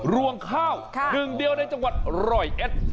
รวงข้าวหนึ่งเดียวในจังหวัดร้อยเอ็ด